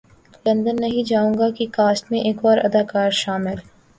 London نہیں جاں گا کی کاسٹ میں ایک اور اداکار شامل